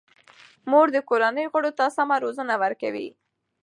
مور د کورنۍ غړو ته سمه روزنه ورکوي.